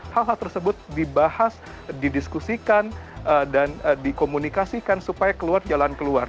hal hal tersebut dibahas didiskusikan dan dikomunikasikan supaya keluar jalan keluar